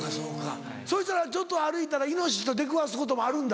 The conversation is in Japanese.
そしたらちょっと歩いたらイノシシと出くわすこともあるんだ？